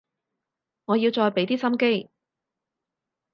我要再畀啲心機